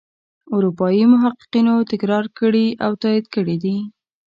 اروپايي محققینو تکرار کړي او تایید کړي دي.